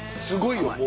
すごいよ！